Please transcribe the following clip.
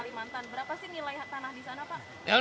berapa sih nilai tanah di sana pak